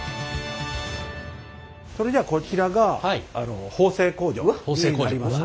それではこちらが縫製工場になります。